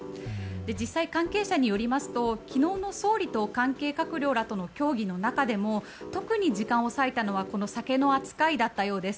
実際、関係者によりますと昨日の総理と関係閣僚との協議の中でも特に時間を割いたのは酒の扱いだったそうです。